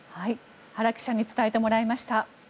原記者に伝えてもらいました。